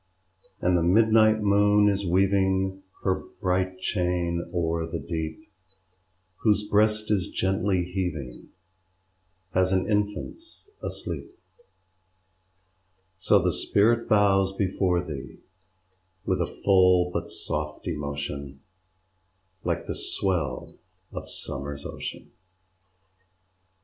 And the midnight moon is weaving Her bright chain o'er the deep, Whose breast is gently heaving As an infant's asleep: So the sprit bows before thee; With a full but soft emotion, Like the swell of Summer's ocean.